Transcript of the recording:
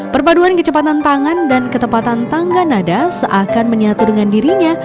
perpaduan kecepatan tangan dan ketepatan tangga nada seakan menyatu dengan dirinya